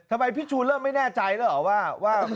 ทำไมพี่ชูเริ่มไม่แน่ใจแล้วหรือเปล่าว่า